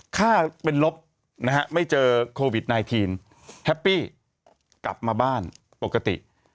ฮ่าเป็นรบนะไม่เจอโควิดไหนทีนแฮปปี้กลับมาบ้านปกติ